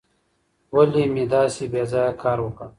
ولي مې داسې بې ځایه کار وکړ؟